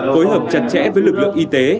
hối hợp chặt chẽ với lực lượng y tế